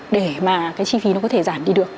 để chi phí có thể giảm đi được